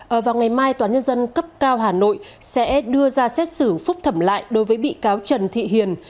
ở vào ngày mai tnn cấp cao hà nội sẽ đưa ra xét xử phúc thẩm lại đối với bị cáo trần thị hiền